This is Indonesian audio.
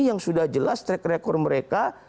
yang sudah jelas track record mereka